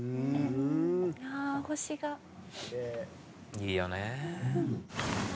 「いいよね」